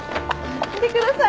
見てください。